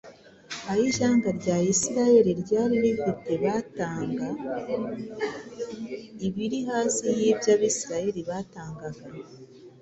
ay’ishyanga rya Isirayeli ryari rifite batanga ibiri hasi y’ibyo Abisirayeli batangaga.